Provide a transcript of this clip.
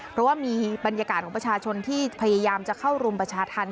เพราะว่ามีบรรยากาศของประชาชนที่พยายามจะเข้ารุมประชาธรรม